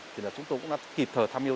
thì chúng tôi cũng đã kịp thời tham yêu